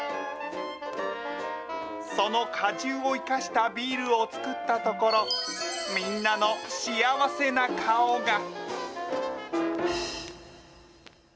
その果汁を生かしたビールを造ったところ、みんなの幸せな顔が。